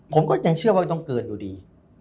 ผมก็ยังเชื่อว่าต้องเกินอยู่ดี